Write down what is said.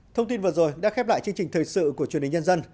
thông tin vừa rồi đã khép lại chương trình thời sự của truyền hình nhân dân